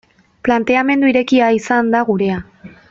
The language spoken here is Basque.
Planteamendu irekia izan da gurea.